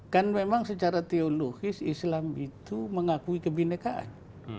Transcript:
kan memang secara teologis islam itu mengakui kebinekaan